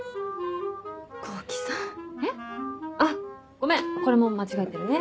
ごめんこれも間違えてるね